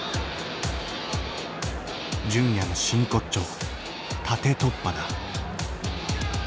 純也の真骨頂縦突破だ。